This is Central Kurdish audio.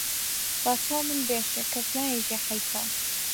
با چاو من بێشێ کەس نایژێ حەیفە